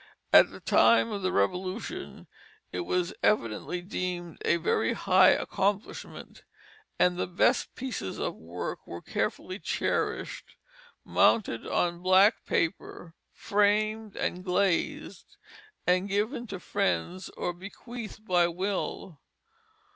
At the time of the Revolution it was evidently deemed a very high accomplishment, and the best pieces of work were carefully cherished, mounted on black paper, framed and glazed, and given to friends or bequeathed by will.